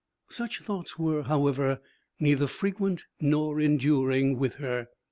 Such thoughts were, however, neither frequent nor enduring with her.